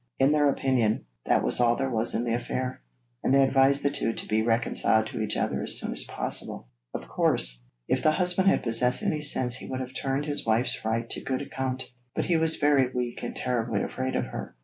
In their opinion, that was all there was in the affair, and they advised the two to be reconciled to each other as soon as possible. Of course, if the husband had possessed any sense he would have turned his wife's fright to good account, but he was very weak and terribly afraid of her.